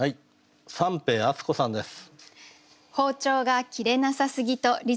三瓶敦子さんです。